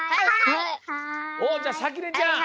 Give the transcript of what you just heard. おっじゃあさきねちゃん